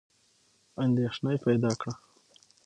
اندېښنه پیدا کړه.